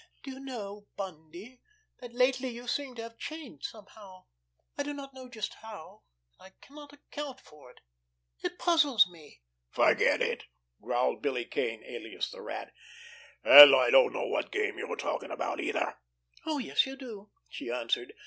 "Do you know, Bundy, that lately you seem to have changed somehow. I do not know just how, and I cannot account for it. It puzzles me." "Forget it!" growled Billy Kane, alias the Rat. "And I don't know what game you're talking about, either!" "Oh, yes, you do!" she answered.